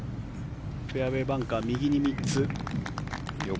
フェアウェーバンカー右に３つ。